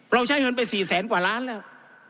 ใช้เงินไป๔แสนกว่าล้านแล้ว